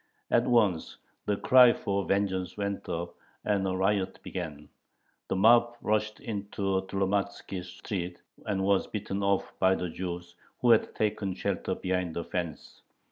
At once the cry for vengeance went up, and a riot began. The mob rushed into Tlomatzkie Street, but was beaten off by the Jews, who had taken shelter behind a fence.